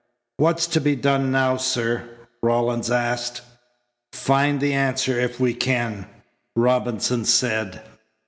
"What's to be done now, sir?" Rawlins asked. "Find the answer if we can," Robinson said.